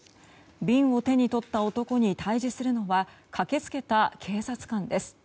瓶を手に取った男に対峙するのは駆け付けた警察官です。